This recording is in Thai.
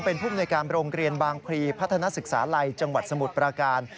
เป็นภูมิในการโรงเรียนบางพลีพัฒนาศึกษาลัยจังหวัดสมุทรปราการ